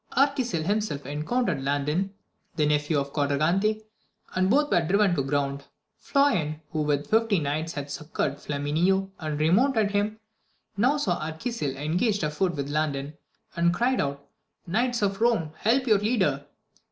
Arquisil himself en countered Landin, the nephew of Quadragante, and both were driven to the ground. Floyan, who with fifty knights had succoured Flamineo and remounted him, now saw Arquisil engaged afoot with Landin, and cried out, Knights of Rome, help your leader